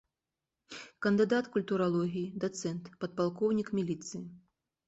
Кандыдат культуралогіі, дацэнт, падпалкоўнік міліцыі.